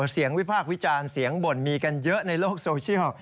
วิพากษ์วิจารณ์เสียงบ่นมีกันเยอะในโลกโซเชียล